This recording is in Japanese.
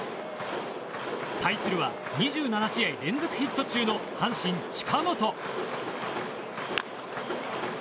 対するは２７試合連続ヒット中の阪神、近本。